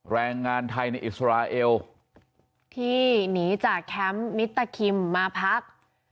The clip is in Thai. แรงงานไทยในอิสราเอลที่หนีจากแคมป์มิตาคิมมาพัก